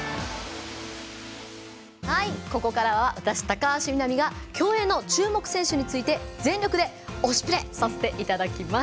ここからは私、高橋みなみが競泳の注目選手について全力で「推しプレ！」させていただきます！